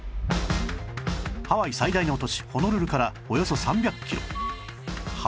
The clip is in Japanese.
ハワイ最大の都市ホノルルからおよそ３００キロ